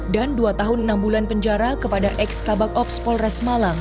dan dua tahun enam bulan penjara kepada ex kabak ops polres malang